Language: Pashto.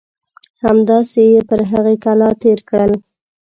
همداسې یې پر هغې کلا تېر کړل.